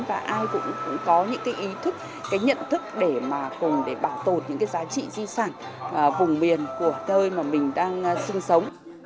và ai cũng có những cái ý thức cái nhận thức để mà cùng để bảo tồn những cái giá trị di sản vùng miền của nơi mà mình đang sinh sống